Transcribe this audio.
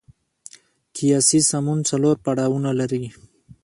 قیاسي سمون څلور پړاوونه لري.